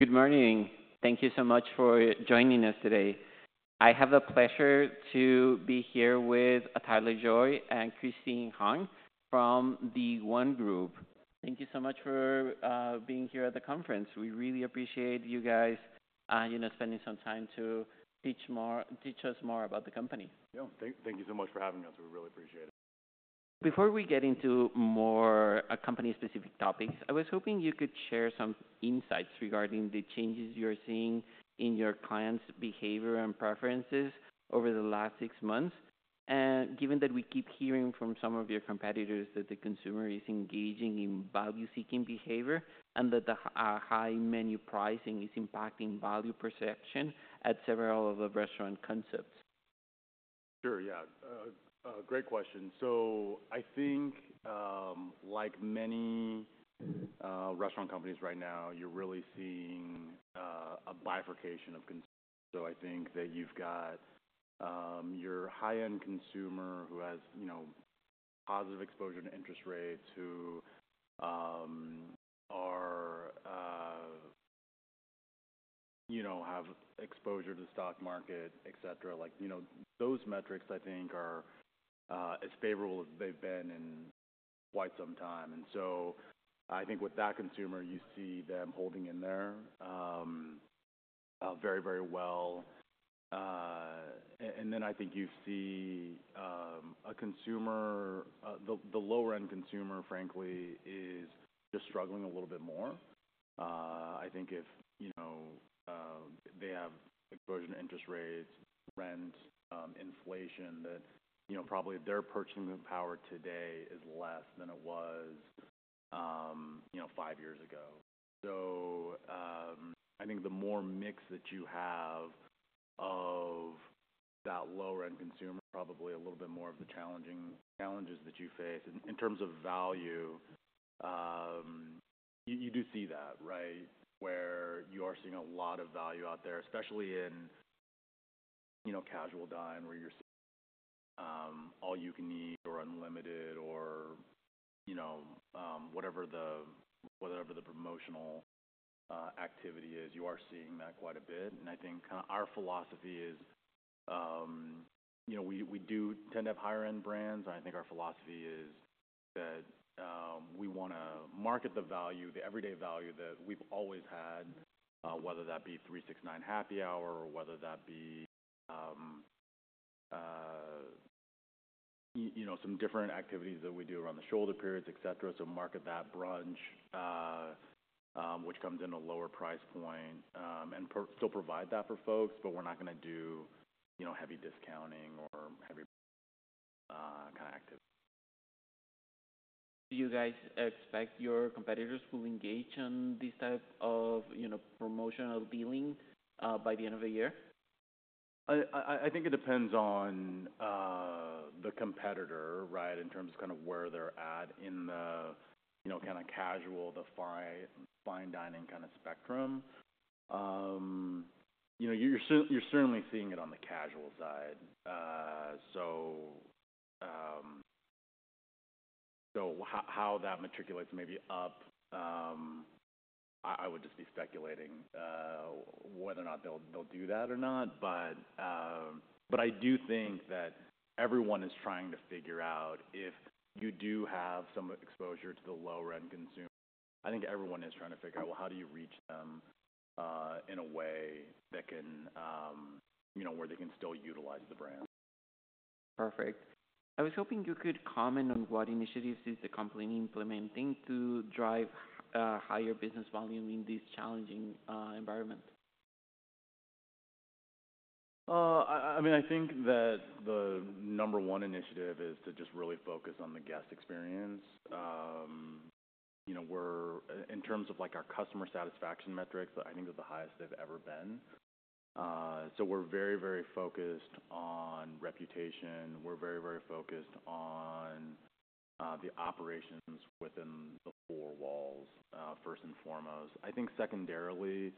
Good morning. Thank you so much for joining us today. I have the pleasure to be here with Tyler Loy and Christine Hong from The ONE Group. Thank you so much for being here at the conference. We really appreciate you guys, you know, spending some time to teach us more about the company. Yeah. Thank you so much for having us. We really appreciate it. Before we get into more company-specific topics, I was hoping you could share some insights regarding the changes you're seeing in your clients' behavior and preferences over the last six months. And given that we keep hearing from some of your competitors that the consumer is engaging in value-seeking behavior and that the high menu pricing is impacting value perception at several of the restaurant concepts. Sure. Yeah. Great question. So I think, like many restaurant companies right now, you're really seeing a bifurcation. So I think that you've got your high-end consumer who has, you know, positive exposure to interest rates, who are, you know, have exposure to stock market, et cetera. Like, you know, those metrics I think are as favorable as they've been in quite some time. And so I think with that consumer, you see them holding in there very, very well. And then I think you see the lower-end consumer, frankly, is just struggling a little bit more. I think if, you know, they have exposure to interest rates, rent, inflation, that, you know, probably their purchasing power today is less than it was, you know, five years ago. So, I think the more mix that you have of that lower-end consumer, probably a little bit more of the challenges that you face. In terms of value, you do see that, right? Where you are seeing a lot of value out there, especially in, you know, casual dine, where you're all you can eat or unlimited or, you know, whatever the promotional activity is, you are seeing that quite a bit. And I think our philosophy is, you know, we do tend to have higher-end brands, and I think our philosophy is that, we wanna market the value, the everyday value that we've always had, whether that be $3, $6, $9 Happy Hour or whether that be, you know, some different activities that we do around the shoulder periods, et cetera. So market that brunch, which comes in a lower price point, and still provide that for folks, but we're not gonna do, you know, heavy discounting or heavy, kind of active. Do you guys expect your competitors will engage in this type of, you know, promotional dealing, by the end of the year? I think it depends on the competitor, right, in terms of kind of where they're at in the you know kind of casual to fine dining kind of spectrum. You know, you're certainly seeing it on the casual side. So how that percolates maybe up, I would just be speculating whether or not they'll do that or not. But I do think that everyone is trying to figure out if you do have some exposure to the lower-end consumer. I think everyone is trying to figure out well how do you reach them in a way that can you know where they can still utilize the brand? Perfect. I was hoping you could comment on what initiatives is the company implementing to drive higher business volume in this challenging environment? I mean, I think that the number one initiative is to just really focus on the guest experience. You know, we're in terms of, like, our customer satisfaction metrics, I think they're the highest they've ever been. So we're very, very focused on reputation. We're very, very focused on the operations within the four walls first and foremost. I think secondarily,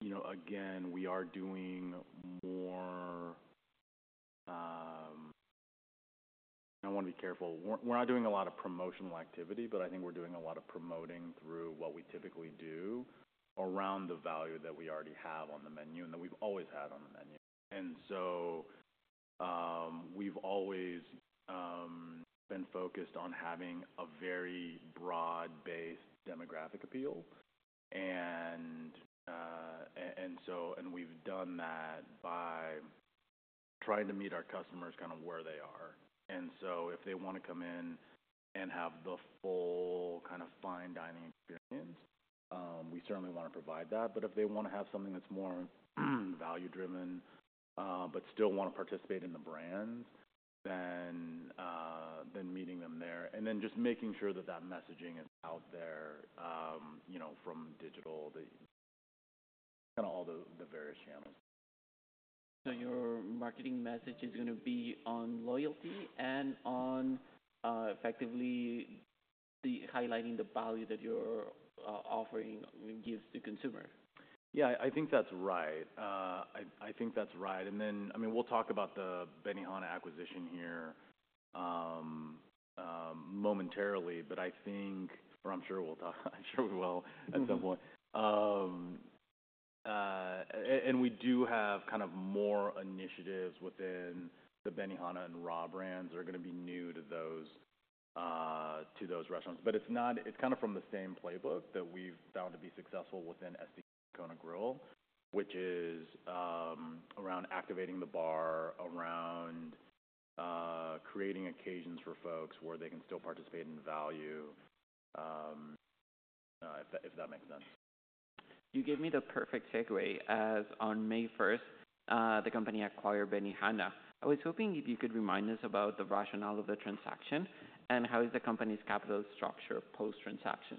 you know, again, we are doing more. I wanna be careful. We're not doing a lot of promotional activity, but I think we're doing a lot of promoting through what we typically do around the value that we already have on the menu, and that we've always had on the menu. And so, we've always been focused on having a very broad-based demographic appeal. We've done that by trying to meet our customers kind of where they are. If they want to come in and have the full kind of fine dining experience, we certainly want to provide that. But if they want to have something that's more value-driven, but still want to participate in the brand, then meeting them there, and then just making sure that messaging is out there, you know, from digital, kind of all the various channels. So your marketing message is gonna be on loyalty and on, effectively highlighting the value that you're offering gives the consumer? Yeah, I think that's right. And then, I mean, we'll talk about the Benihana acquisition here momentarily, but I think, or I'm sure we'll talk, I'm sure we will at some point. And we do have kind of more initiatives within the Benihana and RA brands that are gonna be new to those restaurants. But it's kind of from the same playbook that we've found to be successful within STK and Kona Grill, which is around activating the bar, around creating occasions for folks where they can still participate in value, if that makes sense. You gave me the perfect segue, as on May first, the company acquired Benihana. I was hoping if you could remind us about the rationale of the transaction, and how is the company's capital structure post-transaction?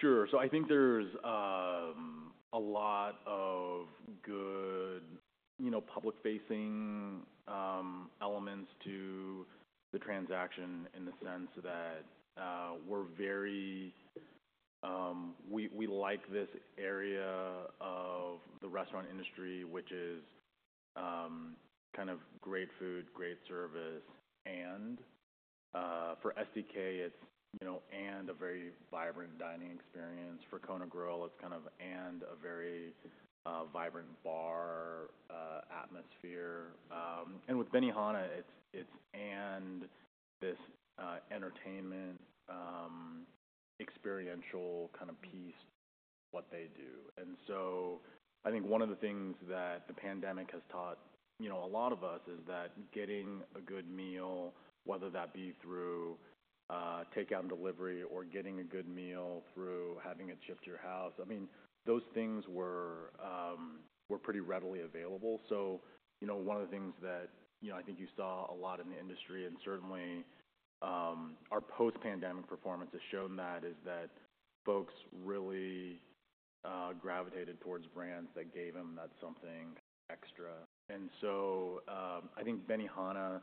Sure. So I think there's a lot of good, you know, public-facing elements to the transaction in the sense that, we're very. We like this area of the restaurant industry, which is kind of great food, great service, and for STK it's, you know, and a very vibrant dining experience. For Kona Grill, it's kind of and a very vibrant bar atmosphere. And with Benihana, it's and this entertainment experiential kind of piece, what they do. And so I think one of the things that the pandemic has taught, you know, a lot of us, is that getting a good meal, whether that be through takeout and delivery or getting a good meal through having it shipped to your house, I mean, those things were pretty readily available. So, you know, one of the things that, you know, I think you saw a lot in the industry, and certainly, our post-pandemic performance has shown that, is that folks really gravitated towards brands that gave them that something extra. And so, I think Benihana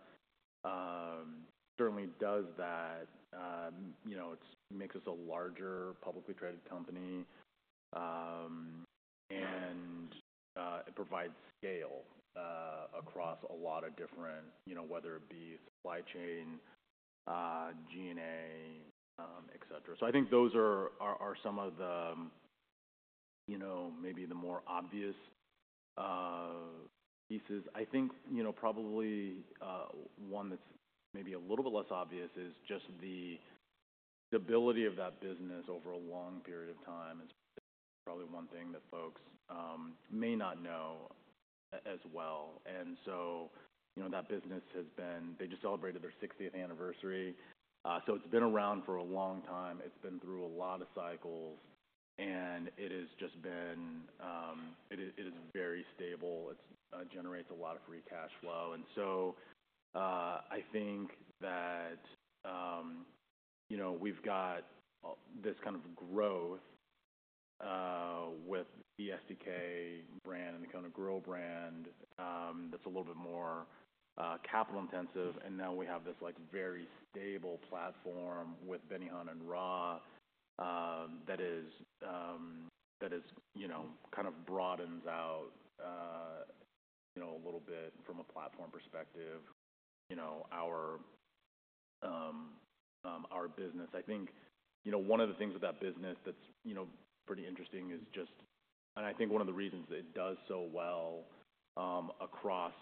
certainly does that. You know, it makes us a larger, publicly traded company, and it provides scale across a lot of different, you know, whether it be supply chain, G&A, et cetera. So I think those are some of the, you know, maybe the more obvious pieces. I think, you know, probably one that's maybe a little bit less obvious is just the stability of that business over a long period of time. It's probably one thing that folks may not know as well. And so, you know, that business has been. They just celebrated their sixtieth anniversary, so it's been around for a long time. It's been through a lot of cycles, and it has just been. It is very stable. It generates a lot of free cash flow. And so, I think that, you know, we've got this kind of growth with the STK brand and the Kona Grill brand, that's a little bit more capital intensive, and now we have this, like, very stable platform with Benihana and RA, that is, you know, kind of broadens out, you know, a little bit from a platform perspective, you know, our business. I think, you know, one of the things with that business that's, you know, pretty interesting is just, and I think one of the reasons it does so well, across,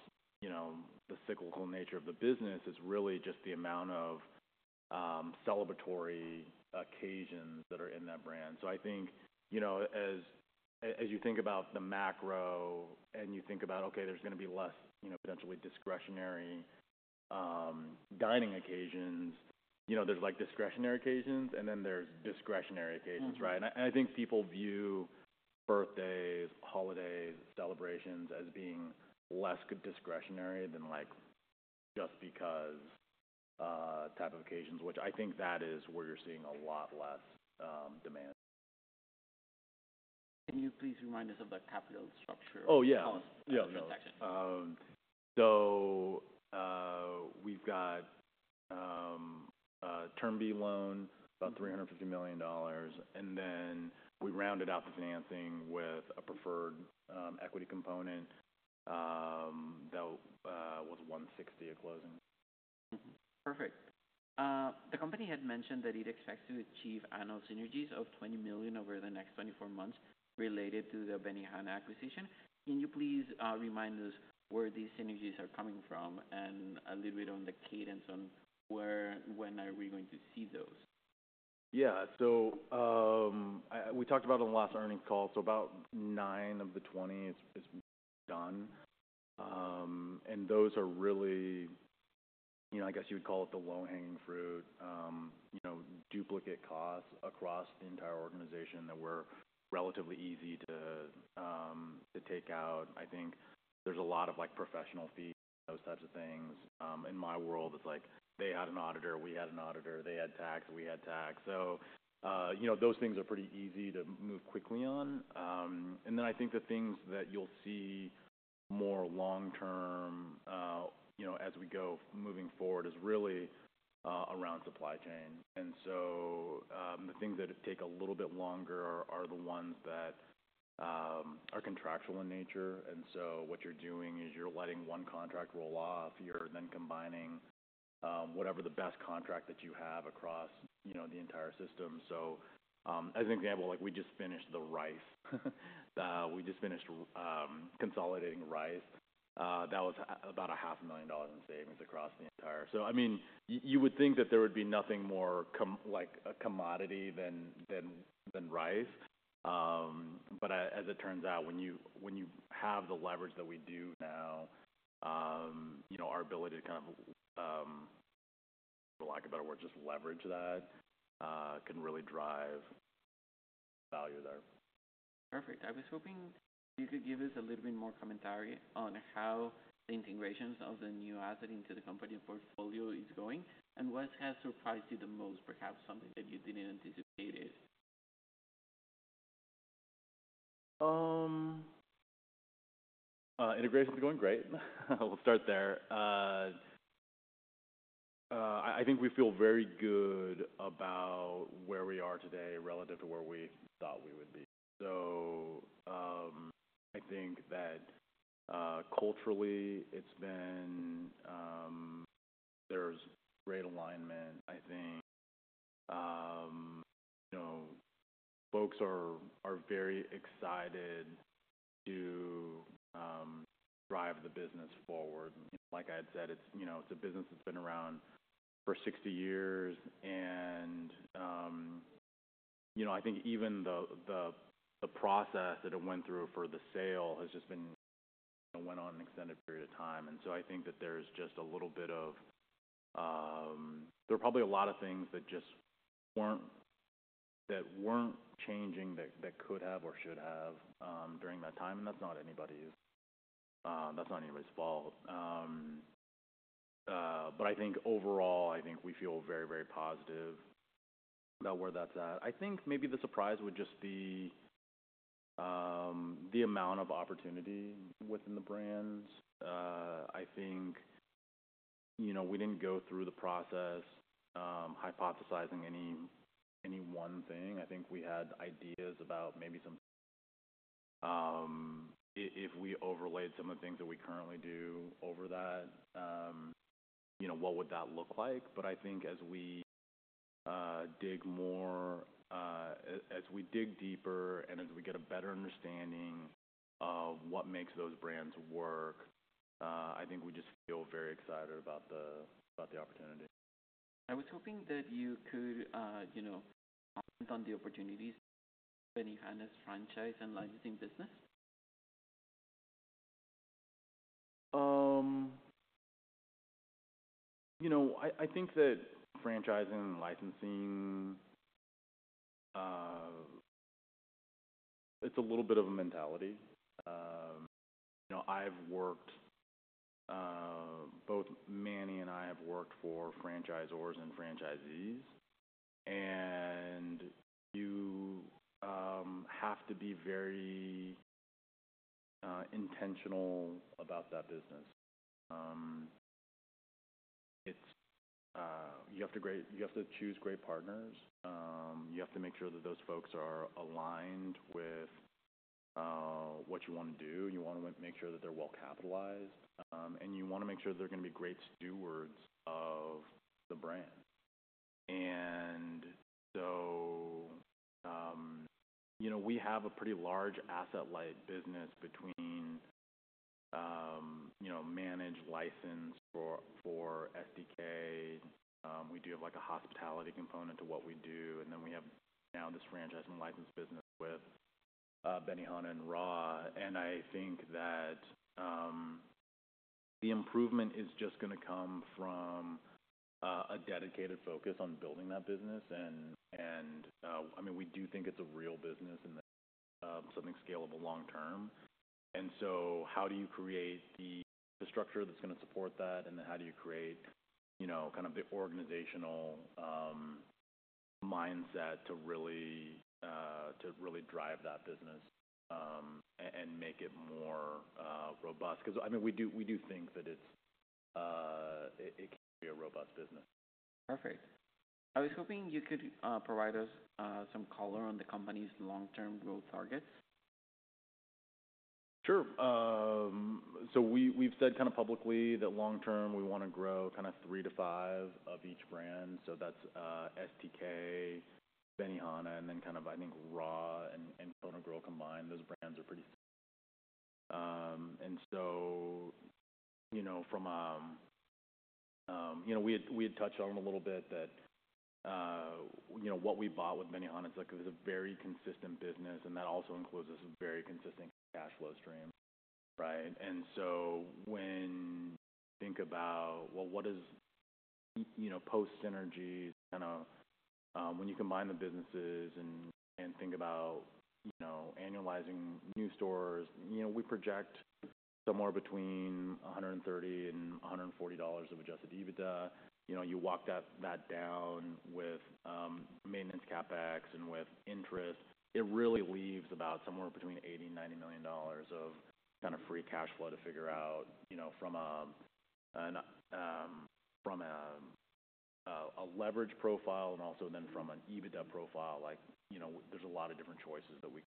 you know, the cyclical nature of the business, is really just the amount of, celebratory occasions that are in that brand. So I think, you know, as, as you think about the macro and you think about, okay, there's gonna be less, you know, potentially discretionary, dining occasions, you know, there's, like, discretionary occasions, and then there's discretionary occasions, right? Mm-hmm. I think people view birthdays, holidays, celebrations as being less discretionary than, like, just because type of occasions, which I think that is where you're seeing a lot less demand. Can you please remind us of the capital structure? Oh, yeah -of the transaction? Yeah, so we've got a Term B loan, about $350 million, and then we rounded out the financing with a preferred equity component that was $160 million at closing. Mm-hmm. Perfect. The company had mentioned that it expects to achieve annual synergies of $20 million over the next 24 months related to the Benihana acquisition. Can you please remind us where these synergies are coming from, and a little bit on the cadence on when we are going to see those? Yeah, so we talked about it on the last earnings call, so about nine of the twenty is done, and those are really, you know, I guess you'd call it the low-hanging fruit. You know, duplicate costs across the entire organization that were relatively easy to take out. I think there's a lot of, like, professional fees, those types of things. In my world, it's like, they had an auditor, we had an auditor, they had tax, so you know, those things are pretty easy to move quickly on, and then I think the things that you'll see more long-term, you know, as we go moving forward, is really around supply chain, and so the things that take a little bit longer are the ones that are contractual in nature. And so what you're doing is you're letting one contract roll off, you're then combining, whatever the best contract that you have across, you know, the entire system. So, as an example, like, we just finished the rice. We just finished consolidating rice. That was about $500,000 in savings across the entire. So I mean, you would think that there would be nothing more common, like a commodity, than rice. But as it turns out, when you have the leverage that we do now, you know, our ability to kind of, for lack of a better word, just leverage that, can really drive value there. Perfect. I was hoping you could give us a little bit more commentary on how the integrations of the new asset into the company portfolio is going, and what has surprised you the most, perhaps something that you didn't anticipate it? Integration is going great. We'll start there. I think we feel very good about where we are today relative to where we thought we would be. So, I think that, culturally, it's been. There's great alignment, I think. You know, folks are very excited to drive the business forward. Like I had said, it's, you know, it's a business that's been around for 60 years and, you know, I think even the process that it went through for the sale has just been. It went on an extended period of time. And so I think that there's just a little bit of. There are probably a lot of things that just weren't changing, that could have or should have, during that time, and that's not anybody's fault. But I think overall, I think we feel very, very positive about where that's at. I think maybe the surprise would just be the amount of opportunity within the brands. I think, you know, we didn't go through the process hypothesizing any one thing. I think we had ideas about maybe some. If we overlaid some of the things that we currently do over that, you know, what would that look like? But I think as we dig more, as we dig deeper, and as we get a better understanding of what makes those brands work, I think we just feel very excited about the opportunity. I was hoping that you could, you know, comment on the opportunities Benihana's franchise and licensing business. You know, I, I think that franchising and licensing, it's a little bit of a mentality. You know, I've worked. Both Manny and I have worked for franchisors and franchisees, and you have to be very intentional about that business. It's, you have to choose great partners. You have to make sure that those folks are aligned with what you want to do, and you want to make sure that they're well capitalized. And you want to make sure they're gonna be great stewards of the brand. And so, you know, we have a pretty large asset-light business between, you know, managed license for STK. We do have, like, a hospitality component to what we do, and then we have now this franchising license business with Benihana and RA. And I think that the improvement is just gonna come from a dedicated focus on building that business. And I mean we do think it's a real business and something scalable long term. And so how do you create the structure that's gonna support that, and then how do you create you know kind of the organizational mindset to really drive that business and make it more robust? 'Cause I mean we do think that it can be a robust business. Perfect. I was hoping you could provide us some color on the company's long-term growth targets. Sure. So we've said kind of publicly that long term, we wanna grow kind of three to five of each brand. So that's STK, Benihana, and then kind of, I think, RA and Kona Grill combined. Those brands are pretty. And so, you know, you know, we had touched on a little bit that, you know, what we bought with Benihana, it's like it was a very consistent business, and that also includes this very consistent cash flow stream, right? And so when you think about, well, what is, you know, post synergy, kind of, when you combine the businesses and think about, you know, annualizing new stores, you know, we project somewhere between $130 and $140 of Adjusted EBITDA. You know, you walk that down with maintenance CapEx and with interest, it really leaves about somewhere between $80 million and $90 million of kind of free cash flow to figure out, you know, from a leverage profile and also then from an EBITDA profile, like, you know, there's a lot of different choices that we.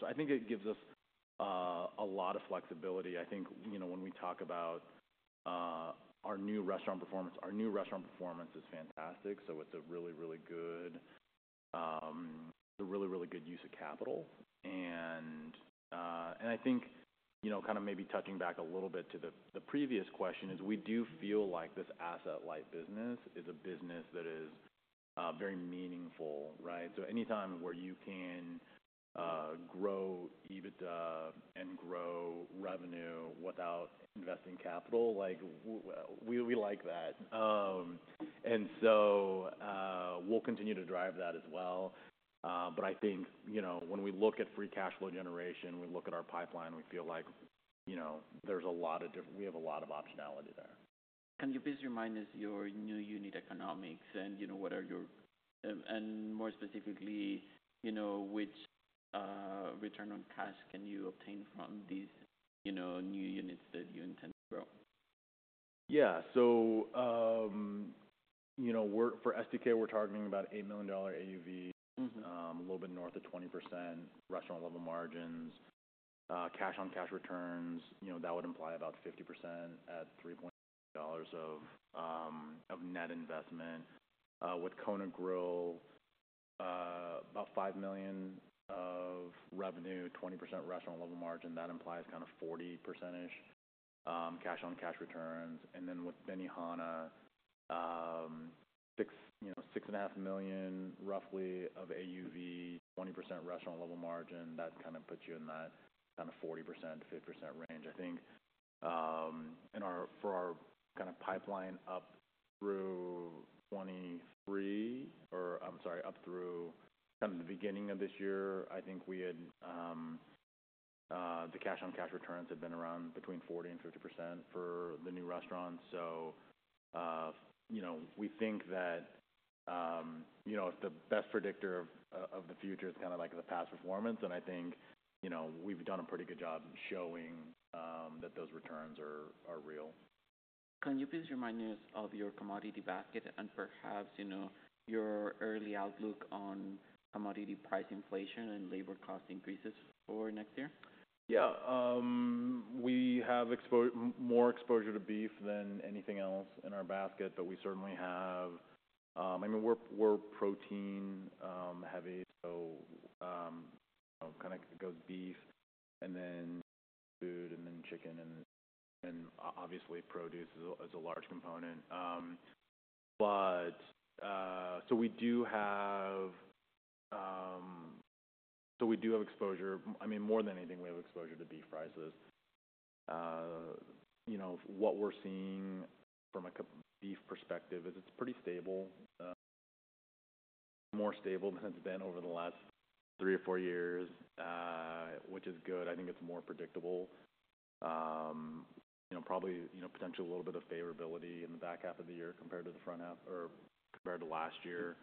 So I think it gives us a lot of flexibility. I think, you know, when we talk about our new restaurant performance, our new restaurant performance is fantastic. So it's a really, really good, a really, really good use of capital. And I think, you know, kind of maybe touching back a little bit to the previous question is, we do feel like this asset-light business is a business that is very meaningful, right? So anytime where you can grow EBITDA and grow revenue without investing capital, like, we like that. And so, we'll continue to drive that as well. But I think, you know, when we look at free cash flow generation, we look at our pipeline, we feel like, you know, there's a lot of different, we have a lot of optionality there. Can you please remind us your new unit economics and, you know, what are your, and more specifically, you know, which return on cash can you obtain from these, you know, new units that you intend to grow? Yeah. So, you know, we're for STK, we're targeting about $8 million AUV, a little bit north of 20%, restaurant-level margins, cash-on-cash returns, you know, that would imply about 50% at $3 of net investment. With Kona Grill, about $5 million of revenue, 20% restaurant-level margin, that implies kind of 40%, cash-on-cash returns. And then with Benihana, six, you know, $6.5 million, roughly, of AUV, 20% restaurant-level margin, that kind of puts you in that kind of 40%-50% range. I think, in our—for our kind of pipeline up through 2023, or I'm sorry, up through kind of the beginning of this year, I think we had, the cash-on-cash returns had been around between 40% and 50% for the new restaurants. So, you know, we think that, you know, the best predictor of the future is kind of like the past performance and I think, you know, we've done a pretty good job showing, that those returns are real. Can you please remind us of your commodity basket and perhaps, you know, your early outlook on commodity price inflation and labor cost increases for next year? Yeah. We have more exposure to beef than anything else in our basket, but we certainly have, I mean, we're protein heavy, so kind of it goes beef and then seafood, and then chicken and obviously produce is a large component, so we do have exposure. I mean, more than anything, we have exposure to beef prices. You know, what we're seeing from a cost of beef perspective is it's pretty stable, more stable than it's been over the last three or four years, which is good. I think it's more predictable. You know, probably, you know, potentially a little bit of favorability in the back half of the year compared to the front half or compared to last year.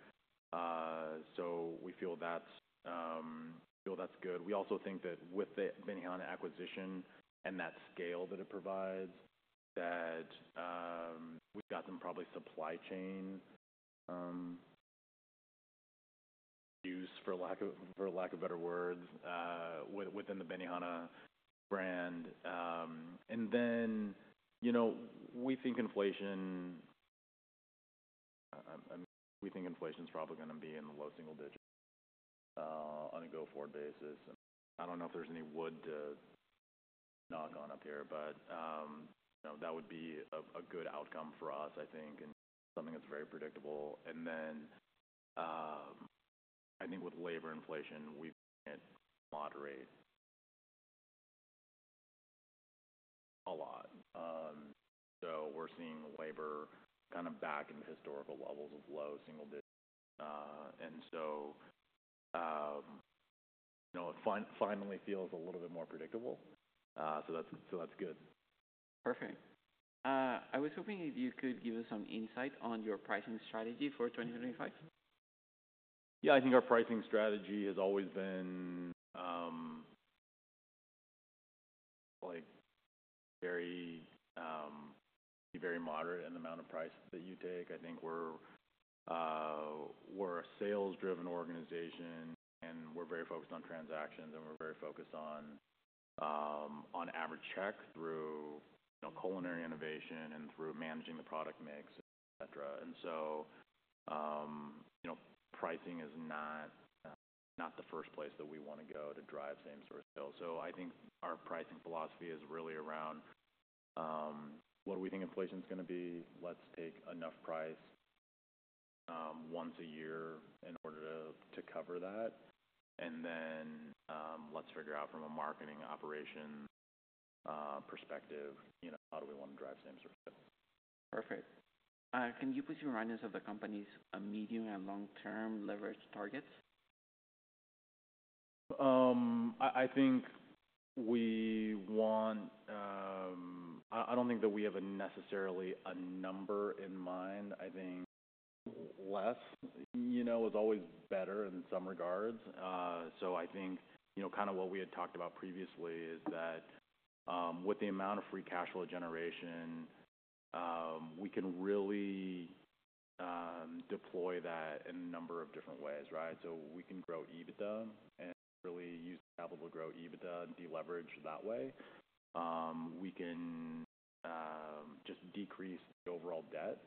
So we feel that's good. We also think that with the Benihana acquisition and that scale that it provides, that we've got some probably supply chain juice, for lack of, for lack of better words, within the Benihana brand. And then, you know, we think inflation is probably gonna be in the low-single-digits on a go-forward basis. I don't know if there's any wood to knock on up here, but you know, that would be a good outcome for us, I think, and something that's very predictable. And then, I think with labor inflation, we've seen it moderate a lot. So we're seeing labor kind of back in the historical levels of low single digits. And so, you know, it finally feels a little bit more predictable. So that's good. Perfect. I was hoping if you could give us some insight on your pricing strategy for 2025? Yeah. I think our pricing strategy has always been like very very moderate in the amount of price that you take. I think we're a sales-driven organization, and we're very focused on transactions, and we're very focused on average check through you know culinary innovation and through managing the product mix, et cetera. And so you know pricing is not the first place that we want to go to drive same-store sales. I think our pricing philosophy is really around what we think inflation is gonna be. Let's take enough price once a year in order to cover that, and then let's figure out from a marketing operation perspective you know how do we want to drive same store growth. Perfect. Can you please remind us of the company's medium and long-term leverage targets? I think we want. I don't think that we have necessarily a number in mind. I think less, you know, is always better in some regards. So I think, you know, kind of what we had talked about previously is that, with the amount of free cash flow generation, we can really deploy that in a number of different ways, right? So we can grow EBITDA and really use capital to grow EBITDA and deleverage that way. We can just decrease the overall debt,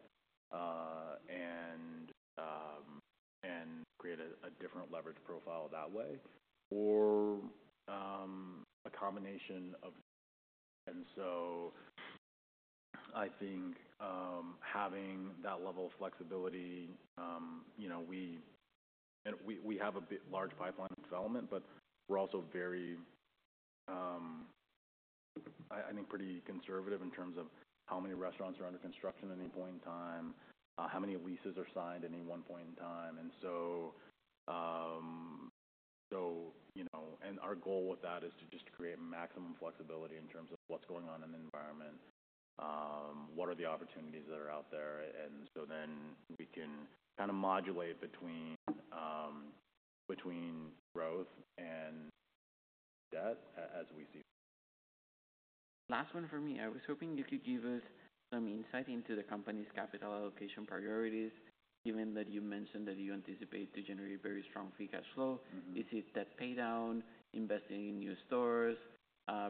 and create a different leverage profile that way, or, a combination of. And so I think, having that level of flexibility, you know, we have a big, large pipeline of development, but we're also very, I think pretty conservative in terms of how many restaurants are under construction at any point in time, how many leases are signed at any one point in time. And so, you know, and our goal with that is to just create maximum flexibility in terms of what's going on in the environment, what are the opportunities that are out there? And so then we can kind of modulate between growth and debt as we see. Last one for me. I was hoping if you could give us some insight into the company's capital allocation priorities, given that you mentioned that you anticipate to generate very strong free cash flow. Is it debt paydown, investing in new stores,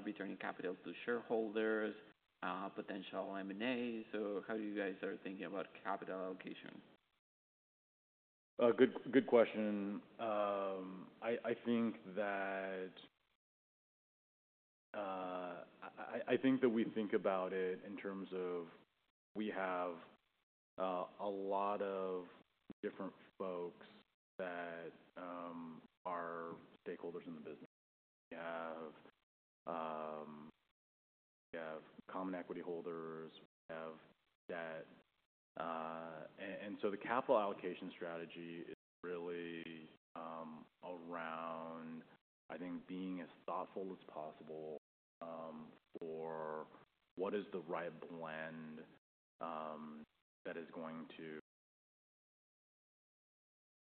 returning capital to shareholders, potential M&A? So how you guys are thinking about capital allocation? Good, good question. I think that we think about it in terms of we have a lot of different folks that are stakeholders in the business. We have common equity holders, we have debt. And so the capital allocation strategy is really around, I think, being as thoughtful as possible for what is the right blend that is going to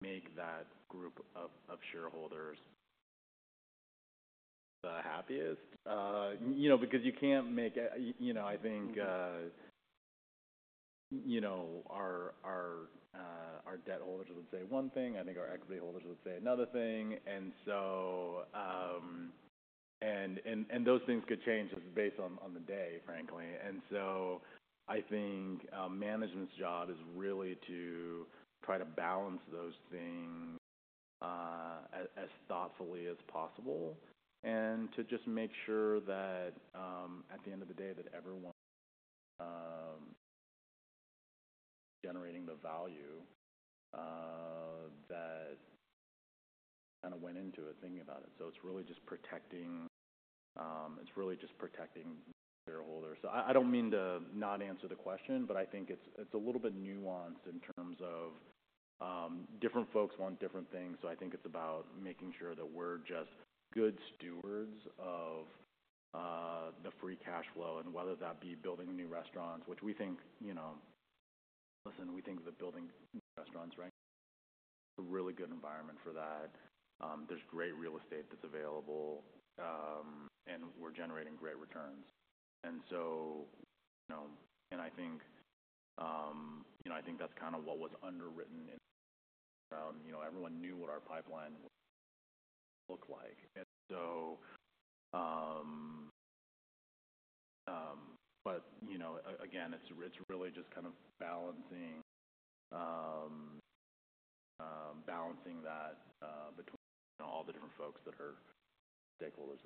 make that group of shareholders the happiest. You know, because you can't make it. You know, I think you know, our debt holders would say one thing, I think our equity holders would say another thing. And so those things could change just based on the day, frankly. And so I think management's job is really to try to balance those things as thoughtfully as possible, and to just make sure that at the end of the day that everyone generating the value that kind of went into it, thinking about it. So it's really just protecting shareholders. So I don't mean to not answer the question, but I think it's a little bit nuanced in terms of different folks want different things. So I think it's about making sure that we're just good stewards of the free cash flow, and whether that be building new restaurants, which we think, you know, listen, we think that building restaurants right now a really good environment for that. There's great real estate that's available, and we're generating great returns. You know, and I think, you know, I think that's kind of what was underwritten in, you know, everyone knew what our pipeline looked like, but you know, again, it's really just kind of balancing that between all the different folks that are stakeholders.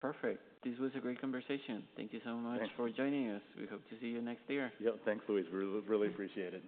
Perfect. This was a great conversation. Thank you so much. Thanks. For joining us. We hope to see you next year. Yeah. Thanks, Luis. We really appreciate it.